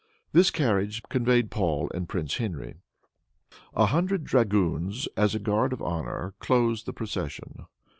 This carriage conveyed Paul and Prince Henry. A hundred dragoons, as a guard of honor, closed the procession.